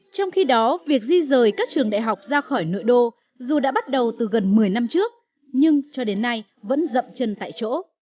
trong khi đó việc di rời các trường đại học ra khỏi nội đô dù đã bắt đầu từ gần một mươi năm trước nhưng cho đến nay vẫn rậm chân tại chỗ